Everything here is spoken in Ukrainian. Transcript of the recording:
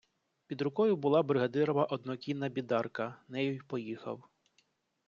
Під рукою була бригадирова однокінна бідарка - нею й поїхав.